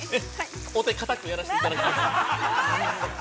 ◆お手かたくやらせていただきます。